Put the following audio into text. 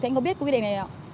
anh có biết quy định này không